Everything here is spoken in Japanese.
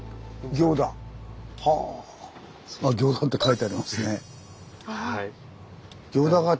「行田」って書いてありますね。